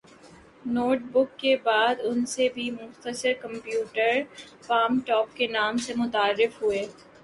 note book کے بعد ان سے بھی مختصر کمپیوٹرز پام ٹوپ کے نام سے متعارف ہوئے